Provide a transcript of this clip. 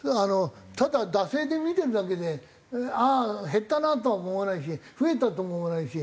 ただ惰性で見てるだけでああ減ったなとは思わないし増えたとも思わないし。